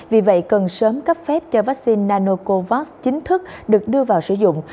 vì vậy cần sớm cấp phép cho vaccine nanocovax chính thức được đưa vào sử dụng